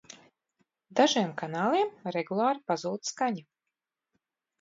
Dažiem kanāliem regulāri pazūd skaņa!